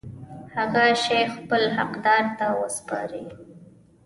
هغه شی خپل حقدار ته وسپاري.